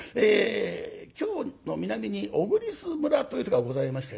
京の南に小栗栖村というところがございましてね。